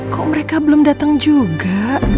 kok mereka belum datang juga